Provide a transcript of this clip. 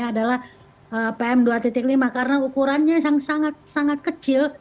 adalah pm dua lima karena ukurannya yang sangat sangat kecil